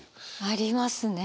ありますね。